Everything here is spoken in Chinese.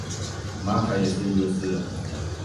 马凯也是一位诗人。